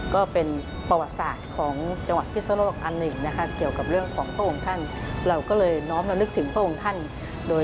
โดยจัดแสดงเรื่องราวของพระองค์ท่านณห้องนี้ค่ะเป็นสำคัญ